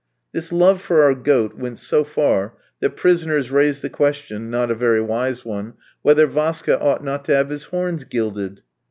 This love for our goat went so far that prisoners raised the question, not a very wise one, whether Vaska ought not to have his horns gilded.